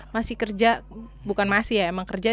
masih kerja bukan masih ya emang kerja